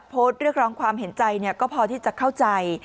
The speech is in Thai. โพสต์เรียกร้องความเห็นใจก็พอที่จะเข้าใจ